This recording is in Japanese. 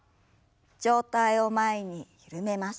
上体を前に緩めます。